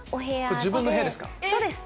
これ自分の部屋ですか？